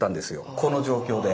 この状況で。